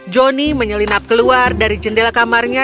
joni menyelinap keluar dari jendela kamarnya